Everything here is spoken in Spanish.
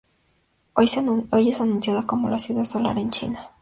Hoy es anunciada como la Ciudad Solar de China.